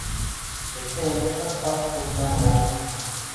Erkin aka bir pas ko’zdan g’oyib bo’ldi.